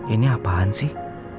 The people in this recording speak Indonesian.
ini apaan sih